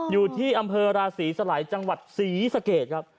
อยู่ที่อำเภอราศีสลัยจังหวัดศรีสะเกดครับ